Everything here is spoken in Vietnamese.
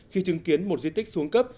khi chứng kiến một di tích xuống cấp